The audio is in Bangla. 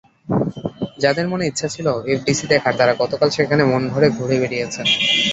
যাঁদের মনে ইচ্ছা ছিল এফডিসি দেখার, তাঁরা গতকাল সেখানে মনভরে ঘুরে বেরিয়েছেন।